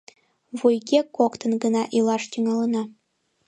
Вуйге коктын гына илаш тӱҥалына!..